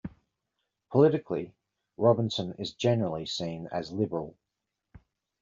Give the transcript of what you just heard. Politically, Robinson is generally seen as liberal.